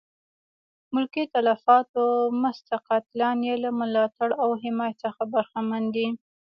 ملکي تلفاتو مست قاتلان یې له ملاتړ او حمایت څخه برخمن دي.